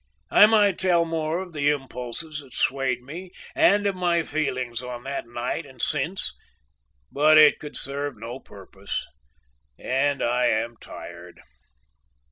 "I might tell more of the impulses that swayed me, and of my feelings on that night and since, but it could serve no purpose and I am tired.